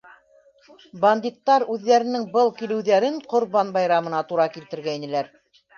Бандиттар үҙҙәренең был килеүҙәрен ҡорбан байрамына тура килтергәйнеләр.